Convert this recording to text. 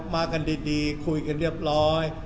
มากันดีคุยกันเรียบร้อย